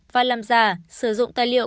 và làm giả sử dụng tài liệu